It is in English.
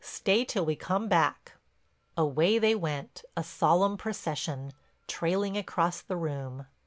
Stay till we come back." Away they went, a solemn procession, trailing across the room.